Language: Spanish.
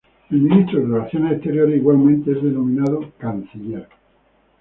El Ministro de Relaciones Exteriores, igualmente, es denominado Canciller.